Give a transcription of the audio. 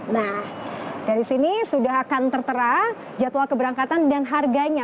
nah dari sini sudah akan tertera jadwal keberangkatan dan harganya